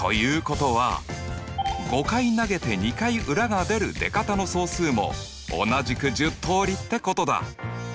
ということは５回投げて２回裏が出る出方の総数も同じく１０通りってことだ。